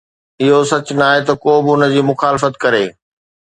اهو سچ ناهي ته ڪو به ان جي مخالفت ڪري